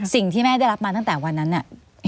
สิ่งที่แม่ได้รับมาตั้งแต่วันนั้นเนี่ย